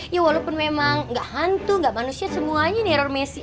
ya walaupun memang nggak hantu gak manusia semuanya neror messi